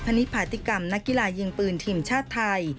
ณิตภาติกรรมนักกีฬายิงปืนทีมชาติไทย